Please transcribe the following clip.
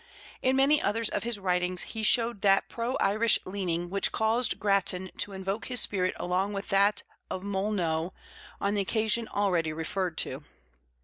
In many others of his writings he showed that pro Irish leaning which caused Grattan to invoke his spirit along with that of Molyneux on the occasion already referred to.